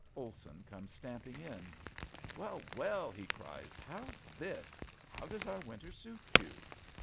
Olson comes stamping in. "Well, well," he cries, "how's this! How does our winter suit you?"